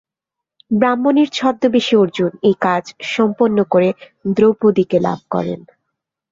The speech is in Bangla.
ব্রাহ্মণের ছদ্মবেশী অর্জুন এই কাজ সম্পন্ন করে দ্রৌপদীকে লাভ করেন।